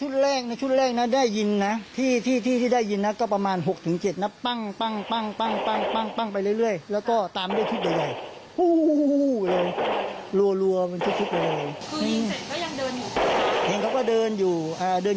เดินอยู่ในข้างรถหน้าเดิน